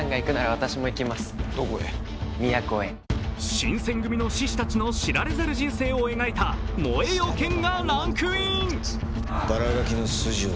新選組の志士たちの知られざる人生を描いた「燃えよ剣」がランクイン。